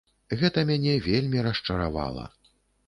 Гэта мяне вельмі расчаравала.